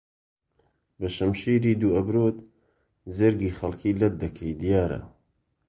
بەشمشیری دوو ئەبرۆت جەرگی خەڵکی لەت دەکەی دیارە